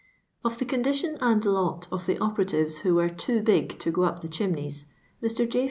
Of the condition and lot of the operatives wb« were too big to go up chimneys, Mr. J.